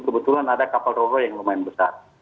kebetulan ada kapal ro ro yang lumayan besar